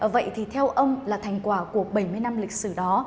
vậy thì theo ông là thành quả của bảy mươi năm lịch sử đó